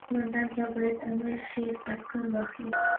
قوماندان ته باید امر شي عسکر واخلي.